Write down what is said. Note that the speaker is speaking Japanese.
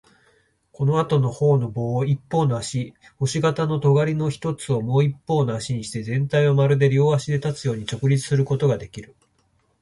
このあとのほうの棒を一方の足、星形のとがりの一つをもう一方の足にして、全体はまるで両足で立つように直立することができる。